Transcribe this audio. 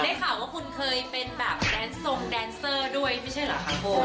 ข่าวว่าคุณเคยเป็นแบบแดนทรงแดนเซอร์ด้วยไม่ใช่เหรอคะโบ